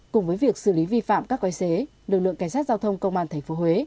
cùng với việc xử lý vi phạm các coi xế lực lượng cảnh sát giao thông công an tp huế